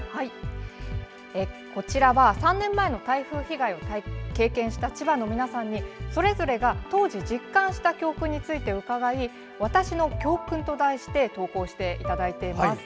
こちらは３年前の台風被害を経験した千葉の皆さんにそれぞれが当時実感した教訓について伺い「わたしの教訓」と題して投稿していただいています。